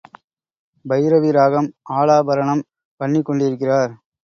பைரவி ராகம் ஆலாபரணம் பண்ணிக்கொண்டிருக்கிறார்.